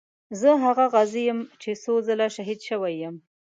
زه هغه غازي یم چې څو ځله شهید شوی یم.